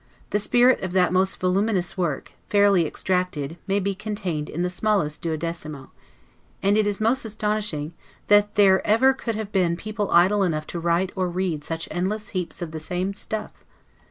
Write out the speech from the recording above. The spirit of that most voluminous work, fairly extracted, may be contained in the smallest duodecimo; and it is most astonishing, that there ever could have been people idle enough to write or read such endless heaps of the same stuff.